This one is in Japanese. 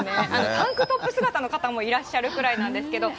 タンクトップ姿の方もいらっしゃるぐらいなんですけど。